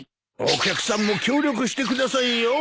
お客さんも協力してくださいよ。